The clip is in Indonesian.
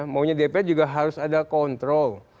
maunya dpr juga harus ada kontrol